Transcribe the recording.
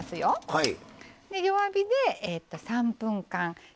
はい。